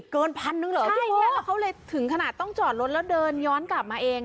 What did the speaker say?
ก้นพันนึงหรอเราก็เลยถึงขนาดต้องจอดรถแล้วเดินย้อนกลับมาเอง